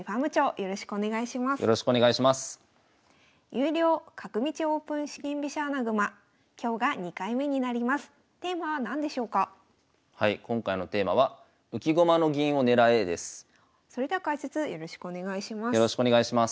よろしくお願いします。